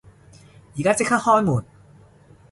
而家即刻開門！